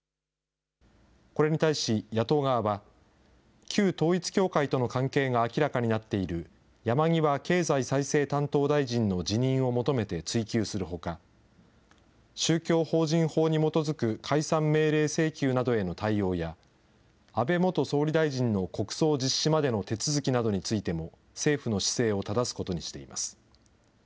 これに対し、野党側は、旧統一教会との関係が明らかになっている山際経済再生担当大臣の辞任を求めて追及するほか、宗教法人法に基づく解散命令請求などへの対応や、安倍元総理大臣の国葬実施までの手続きなどについても、政府の姿勢をただすことにしています。